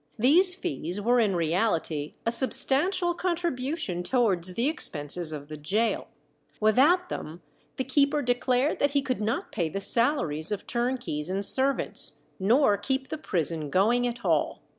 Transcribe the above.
These fees were in reality a substantial contribution towards the expenses of the gaol; without them the keeper declared that he could not pay the salaries of turnkeys and servants, nor keep the prison going at all.